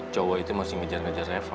cowok itu masih mengejar ngejar reva